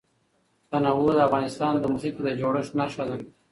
تنوع د افغانستان د ځمکې د جوړښت نښه ده.